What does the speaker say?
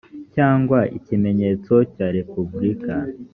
cyangwa ikimenyetso cya repubulika